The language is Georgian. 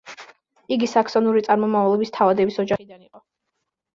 იგი საქსონიური წარმომავლობის თავადების ოჯახიდან იყო.